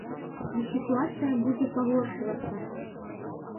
І сітуацыя будзе пагоршвацца.